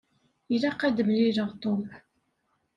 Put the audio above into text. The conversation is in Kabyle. Ilaq ad d-mmlileɣ Tom.